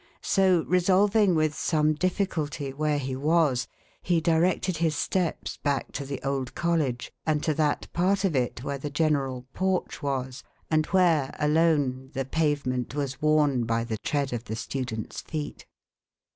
So, resolving with some difficulty where he was, he directed his steps back to the old college, and to that part of it where the general porch was, and where, alone, the pavement was worn by the tread of the students1 feet.